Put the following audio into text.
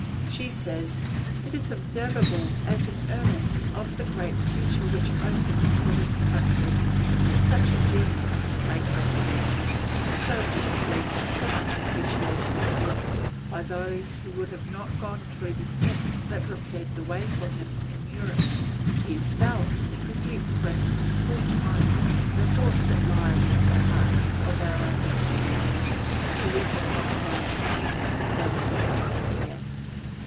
She says: "It is observable as an earnest of the great future which opens for this country, that such a genius (Beethoven) is so easily and so much appreciated here, by those who have not gone through the steps that prepared the way for him in Europe. He is felt because he expressed in full tones the thoughts that lie at the heart of our own existence, though we have not found means to stammer them as yet."